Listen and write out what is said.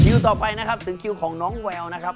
ต่อไปนะครับถึงคิวของน้องแววนะครับ